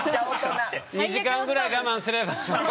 ２時間ぐらい我慢すればもう。